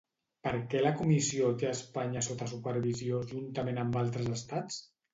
Per què la Comissió té a Espanya sota supervisió juntament amb altres estats?